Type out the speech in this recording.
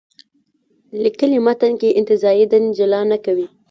لیکلي متن کې انتزاعي دین جلا نه کوي.